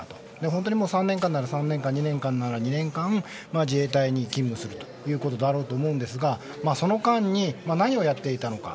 本当に３年から３年間２年間なら２年間自衛隊に勤務するということだろうと思うんですがその間に何をやっていたのか。